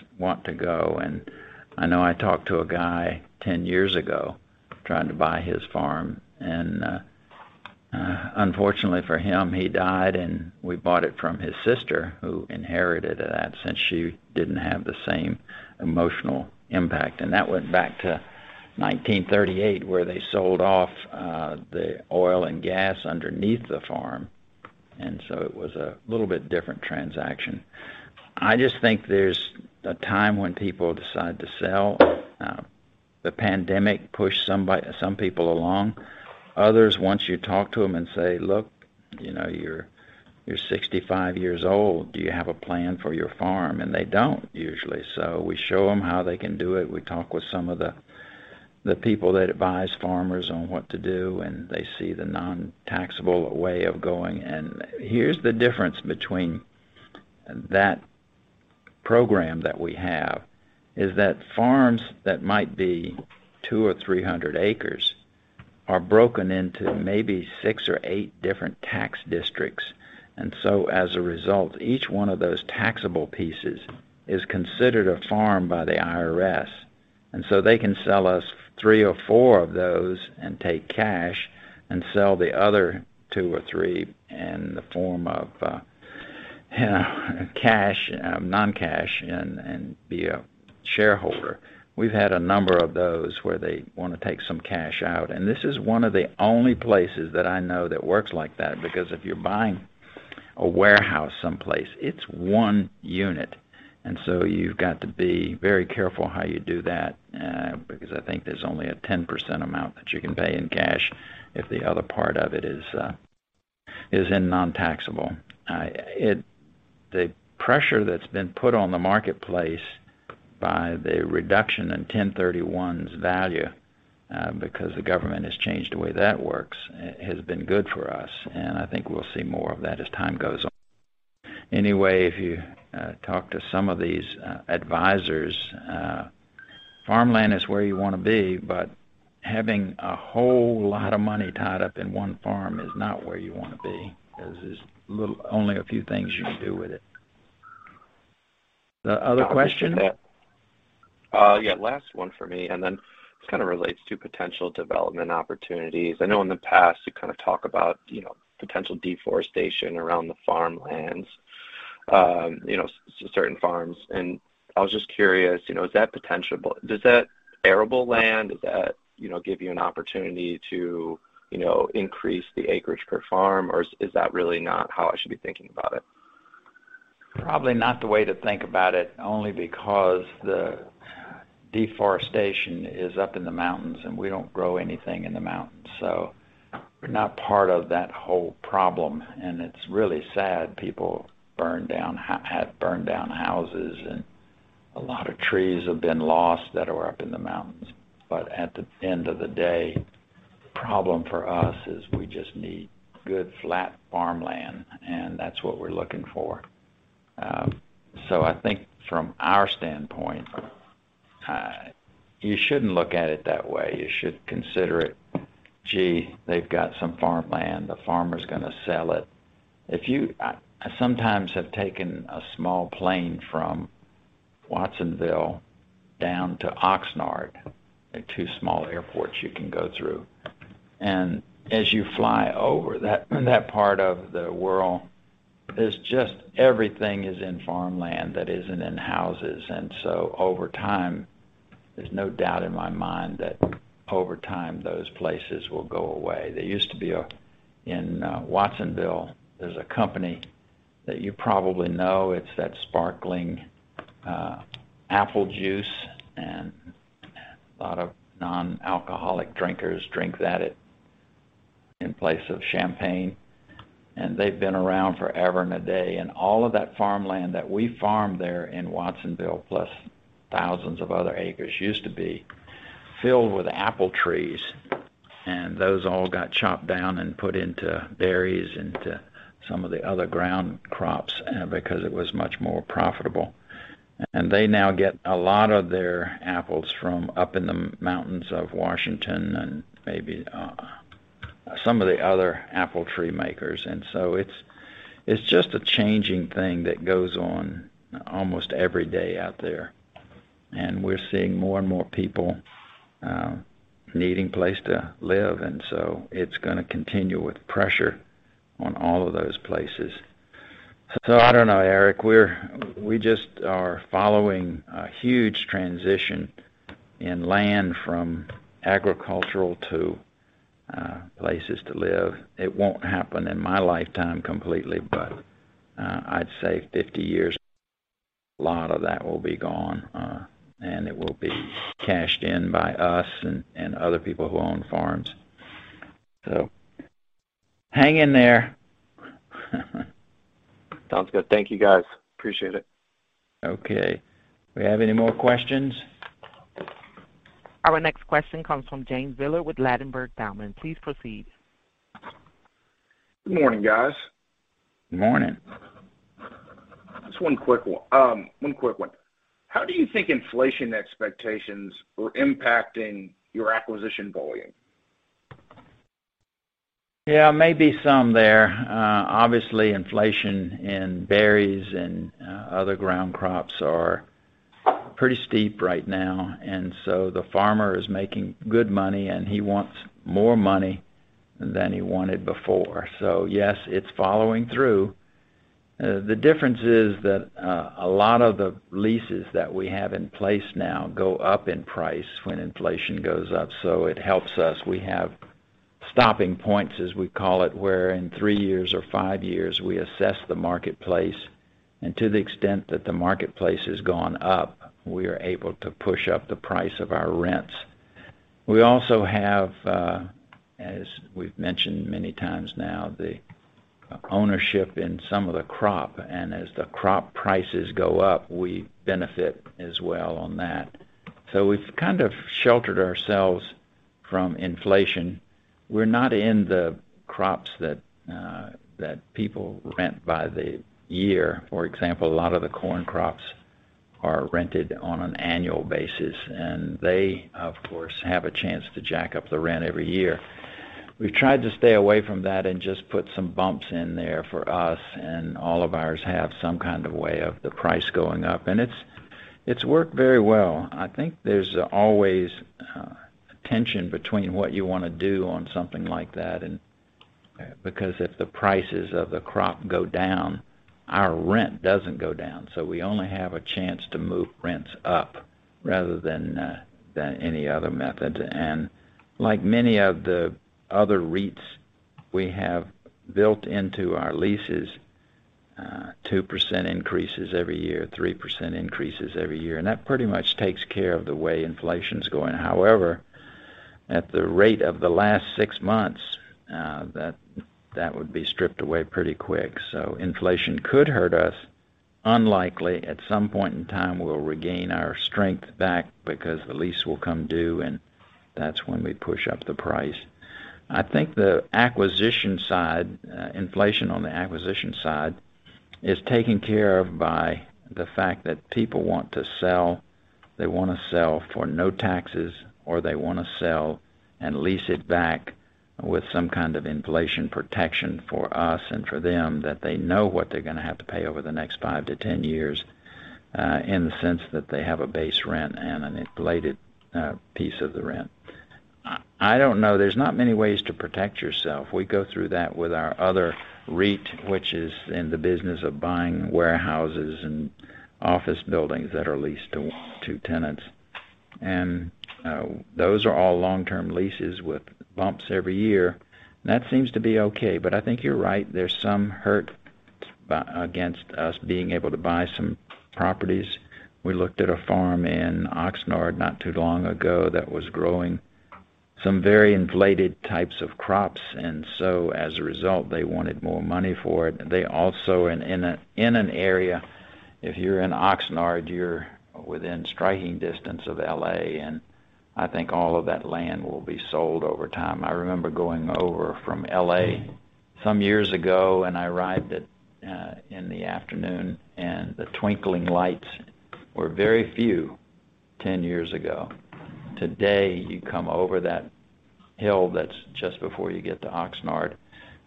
go. I know I talked to a guy 10 years ago trying to buy his farm, and unfortunately for him, he died, and we bought it from his sister, who inherited that since she didn't have the same emotional impact. That went back to 1938, where they sold off the oil and gas underneath the farm, and so it was a little bit different transaction. I just think there's a time when people decide to sell. The pandemic pushed some people along. Others, once you talk to them and say, "Look, you know, you're 65 years old, do you have a plan for your farm?" They don't usually. We show them how they can do it. We talk with some of the people that advise farmers on what to do, and they see the non-taxable way of going. Here's the difference between that program that we have, is that farms that might be 200 or 300 acres are broken into maybe six or eight different tax districts. As a result, each one of those taxable pieces is considered a farm by the IRS. They can sell us three or four of those and take cash and sell the other two or three in the form of cash, non-cash and be a shareholder. We've had a number of those where they wanna take some cash out, and this is one of the only places that I know that works like that, because if you're buying a warehouse someplace, it's one unit. You've got to be very careful how you do that, because I think there's only a 10% amount that you can pay in cash if the other part of it is in non-taxable. The pressure that's been put on the marketplace by the reduction in 1031 exchange's value, because the government has changed the way that works, has been good for us, and I think we'll see more of that as time goes on. Anyway, if you talk to some of these advisors, farmland is where you wanna be, but having a whole lot of money tied up in one farm is not where you wanna be. There's only a few things you can do with it. Other question? Yeah, last one for me, and then this kind of relates to potential development opportunities. I know in the past, you kind of talk about, you know, potential deforestation around the farmlands, you know, certain farms, and I was just curious, you know, does that arable land give you an opportunity to, you know, increase the acreage per farm, or is that really not how I should be thinking about it? Probably not the way to think about it, only because the deforestation is up in the mountains, and we don't grow anything in the mountains. We're not part of that whole problem. It's really sad people had burned down houses, and a lot of trees have been lost that are up in the mountains. At the end of the day, the problem for us is we just need good flat farmland, and that's what we're looking for. I think from our standpoint, you shouldn't look at it that way. You should consider it, "Gee, they've got some farmland. The farmer's gonna sell it." I sometimes have taken a small plane from Watsonville down to Oxnard. They're two small airports you can go through. As you fly over that part of the world, there's just everything is in farmland that isn't in houses. Over time, there's no doubt in my mind that over time, those places will go away. In Watsonville, there's a company that you probably know. It's that sparkling apple juice and a lot of non-alcoholic drinkers drink that in place of champagne. They've been around forever and a day. All of that farmland that we farm there in Watsonville, plus thousands of other acres, used to be filled with apple trees, and those all got chopped down and put into berries and to some of the other ground crops because it was much more profitable. They now get a lot of their apples from up in the mountains of Washington and maybe some of the other apple tree makers. It's just a changing thing that goes on almost every day out there. We're seeing more and more people needing place to live, and it's gonna continue with pressure on all of those places. I don't know, Eric. We're just following a huge transition in land from agricultural to places to live. It won't happen in my lifetime completely, but I'd say 50 years, a lot of that will be gone, and it will be cashed in by us and other people who own farms. Hang in there. Sounds good. Thank you, guys. Appreciate it. Okay. Do we have any more questions? Our next question comes from James Villard with Ladenburg Thalmann. Please proceed. Good morning, guys. Morning. Just one quick one. How do you think inflation expectations are impacting your acquisition volume? Yeah, maybe some there. Obviously, inflation in berries and other ground crops are pretty steep right now, and so the farmer is making good money, and he wants more money than he wanted before. Yes, it's following through. The difference is that, a lot of the leases that we have in place now go up in price when inflation goes up, so it helps us. We have stopping points, as we call it, where in three years or five years, we assess the marketplace, and to the extent that the marketplace has gone up, we are able to push up the price of our rents. We also have, as we've mentioned many times now, the ownership in some of the crop, and as the crop prices go up, we benefit as well on that. We've kind of sheltered ourselves from inflation. We're not in the crops that people rent by the year. For example, a lot of the corn crops are rented on an annual basis, and they, of course, have a chance to jack up the rent every year. We've tried to stay away from that and just put some bumps in there for us, and all of ours have some kind of way of the price going up. It's worked very well. I think there's always tension between what you wanna do on something like that. Because if the prices of the crop go down, our rent doesn't go down, so we only have a chance to move rents up rather than any other method. Like many of the other REITs, we have built into our leases, 2% increases every year, 3% increases every year, and that pretty much takes care of the way inflation's going. However, at the rate of the last six months, that would be stripped away pretty quick. Inflation could hurt us. Unlikely. At some point in time, we'll regain our strength back because the lease will come due, and that's when we push up the price. I think the acquisition side, inflation on the acquisition side is taken care of by the fact that people want to sell. They wanna sell for no taxes, or they wanna sell and lease it back with some kind of inflation protection for us and for them that they know what they're gonna have to pay over the next 5 to 10 years, in the sense that they have a base rent and an inflated piece of the rent. I don't know. There's not many ways to protect yourself. We go through that with our other REIT, which is in the business of buying warehouses and office buildings that are leased to tenants. Those are all long-term leases with bumps every year. That seems to be okay, but I think you're right. There's some headwind against us being able to buy some properties. We looked at a farm in Oxnard not too long ago that was growing some very inflated types of crops, and so as a result, they wanted more money for it. They also in an area, if you're in Oxnard, you're within striking distance of L.A., and I think all of that land will be sold over time. I remember going over from L.A. some years ago, and I arrived in the afternoon, and the twinkling lights were very few 10 years ago. Today, you come over that hill that's just before you get to Oxnard,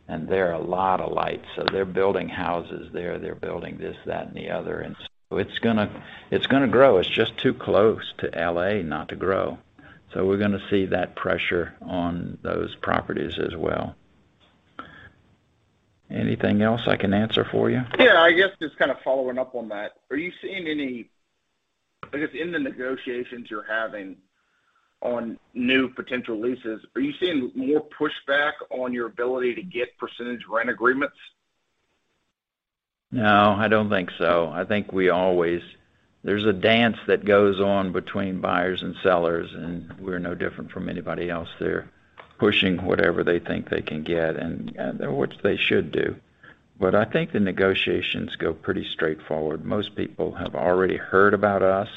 and there are a lot of lights. They're building houses there, they're building this, that, and the other, and so it's gonna grow. It's just too close to L.A. not to grow. We're gonna see that pressure on those properties as well. Anything else I can answer for you? Yeah, I guess just kinda following up on that. In the negotiations you're having on new potential leases, are you seeing more pushback on your ability to get percentage rent agreements? No, I don't think so. I think we always. There's a dance that goes on between buyers and sellers, and we're no different from anybody else. They're pushing whatever they think they can get, and, which they should do. I think the negotiations go pretty straightforward. Most people have already heard about us.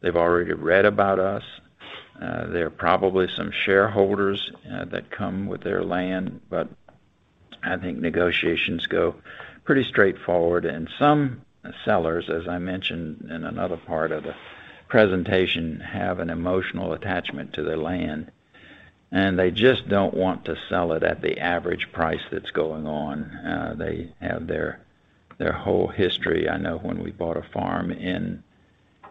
They've already read about us. There are probably some shareholders that come with their land. I think negotiations go pretty straightforward. Some sellers, as I mentioned in another part of the presentation, have an emotional attachment to their land, and they just don't want to sell it at the average price that's going on. They have their whole history. I know when we bought a farm in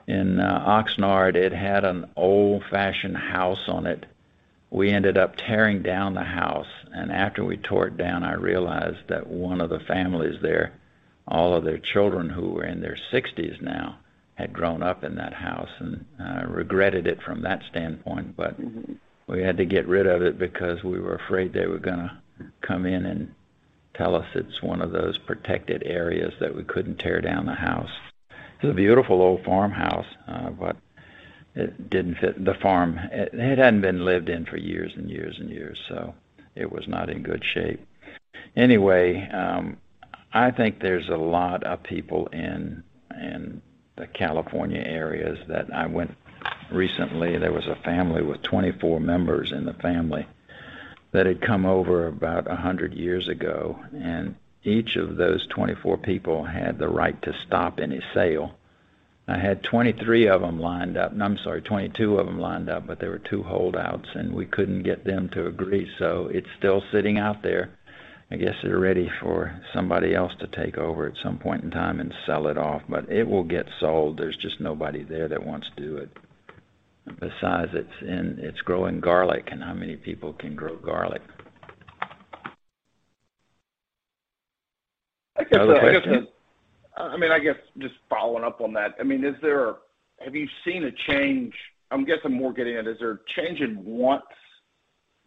Oxnard, it had an old-fashioned house on it. We ended up tearing down the house, and after we tore it down, I realized that one of the families there, all of their children who were in their sixties now, had grown up in that house and regretted it from that standpoint. We had to get rid of it because we were afraid they were gonna come in and tell us it's one of those protected areas that we couldn't tear down the house. It's a beautiful old farmhouse, but it didn't fit the farm. It hadn't been lived in for years and years and years, so it was not in good shape. Anyway, I think there's a lot of people in the California areas that I went recently. There was a family with 24 members in the family that had come over about 100 years ago, and each of those 24 people had the right to stop any sale. I had 23 of them lined up. No, I'm sorry, 22 of them lined up, but there were two holdouts, and we couldn't get them to agree. It's still sitting out there. I guess they're ready for somebody else to take over at some point in time and sell it off. It will get sold. There's just nobody there that wants to do it. Besides, it's growing garlic, and how many people can grow garlic? I guess. Another question. I mean, I guess just following up on that. I mean, have you seen a change? I'm guessing more getting in. Is there a change in wants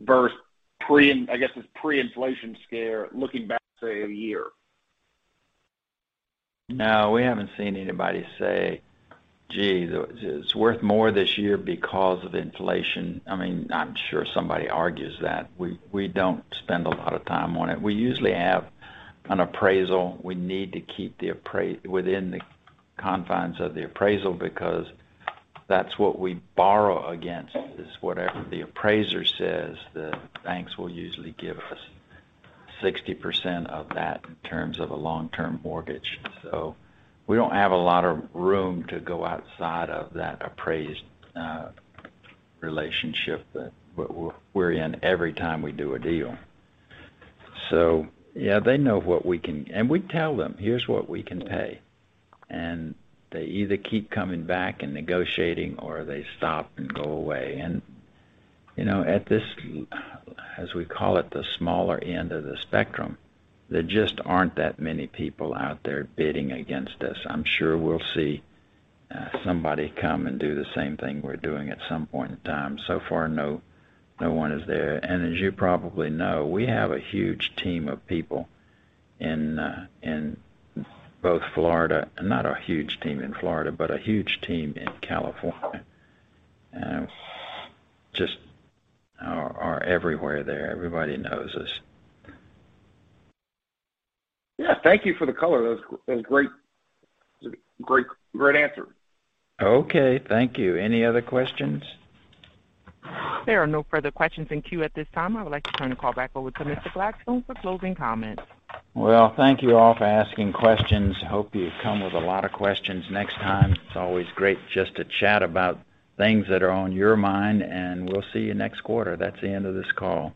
versus pre, I guess it's pre-inflation scare, looking back, say, a year? No, we haven't seen anybody say, "Gee, it's worth more this year because of inflation." I mean, I'm sure somebody argues that. We don't spend a lot of time on it. We usually have an appraisal. We need to keep the appraisal within the confines of the appraisal because that's what we borrow against, is whatever the appraiser says, the banks will usually give us 60% of that in terms of a long-term mortgage. We don't have a lot of room to go outside of that appraised relationship that we're in every time we do a deal. Yeah, they know what we can. We tell them, "Here's what we can pay." They either keep coming back and negotiating or they stop and go away. You know, at this, as we call it, the smaller end of the spectrum, there just aren't that many people out there bidding against us. I'm sure we'll see somebody come and do the same thing we're doing at some point in time. So far, no one is there. As you probably know, we have a huge team of people in both Florida. Not a huge team in Florida, but a huge team in California. They just are everywhere there. Everybody knows us. Yeah. Thank you for the color. That was great. Great answer. Okay. Thank you. Any other questions? There are no further questions in queue at this time. I would like to turn the call back over to Mr. Gladstone for closing comments. Well, thank you all for asking questions. Hope you come with a lot of questions next time. It's always great just to chat about things that are on your mind, and we'll see you next quarter. That's the end of this call.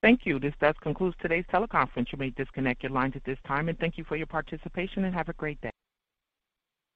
Thank you. This does conclude today's teleconference. You may disconnect your lines at this time. Thank you for your participation, and have a great day.